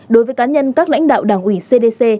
đối với cá nhân các lãnh đạo đảng ủy cdc